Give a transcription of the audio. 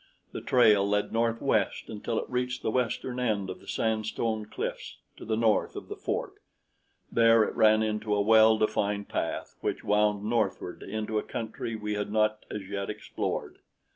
The trail led northwest until it reached the western end of the sandstone cliffs to the north of the fort; there it ran into a well defined path which wound northward into a country we had not as yet explored.